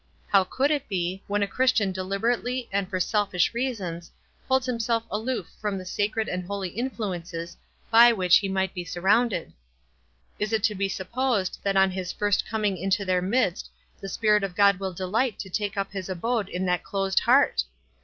How could it be, when a Chris tian deliberately and for selfish reasons holds himself aloof from the sacred and holy influences by which he might be surrounded? Is it to be supposed that on his first coming into their midst the Spirit of God will delight to take up his abode in that closed heart?